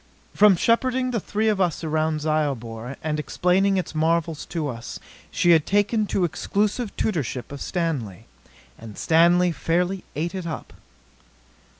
From shepherding the three of us around Zyobor and explaining its marvels to us, she had taken to exclusive tutorship of Stanley. And Stanley fairly ate it up.